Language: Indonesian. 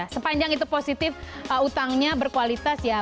sepanjang itu positif utangnya berkualitas ya